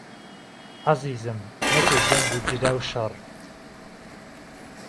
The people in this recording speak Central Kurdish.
عهزیزم نهکهی جهنگ و جودا و شەر